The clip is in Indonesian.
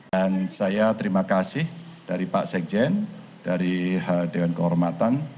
dan saya terima kasih dari pak sekjen dari dengan kehormatan